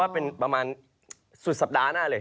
เป็นประมาณสุดสัปดาห์หน้าเลย